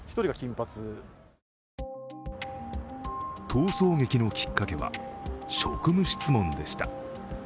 逃走劇のきっかけは、職務質問でした。